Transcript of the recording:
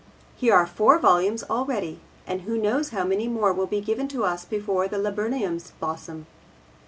Here are four volumes already, and who knows how many more will be given to us before the laburnums blossom?